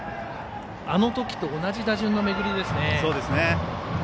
あのときと同じ打順の巡りですね。